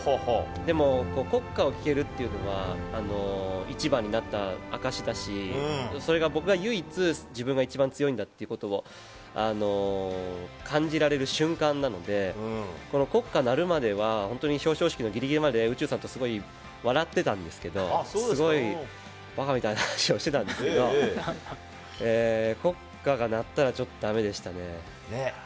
でも国歌を聞けるっていうのは１番になった証だしそれが僕が唯一、自分が一番強いんだっていうことを感じられる瞬間なので、国歌が鳴るまでは本当に表彰式ぎりぎりまで宇宙さんと笑っていたんですけど、バカみたいな話をしていたんですけど、国歌が鳴ったらちょっとダメでしたね。